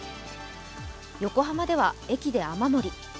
横浜では駅で雨漏り。